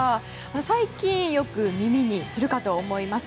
最近よく耳にするかと思います。